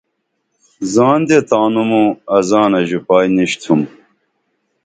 زان دے تانوں موں ازانہ ژوپائی نِشتُھم